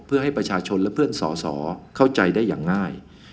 เพื่อให้ประชาชนและเพื่อนสอสอเข้าใจได้อย่างง่าย